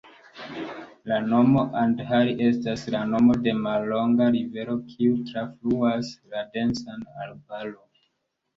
La nomo "Andhari" estas la nomo de mallonga rivero kiu trafluas la densan arbaron.